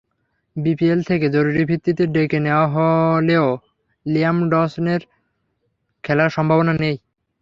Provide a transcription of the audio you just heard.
BPL থেকে জরুরি ভিত্তিতে ডেকে নেওয়া হলেও লিয়াম ডসনের খেলার সম্ভাবনা নেই।